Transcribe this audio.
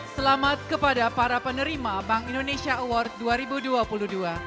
selamat kepada para penerima bank indonesia award dua ribu dua puluh dua